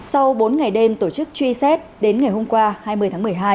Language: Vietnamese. sau bốn ngày đêm tổ chức truy xét đến ngày hôm qua hai mươi tháng một mươi hai